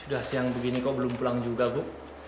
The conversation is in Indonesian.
sudah siang begini kok belum pulang juga bu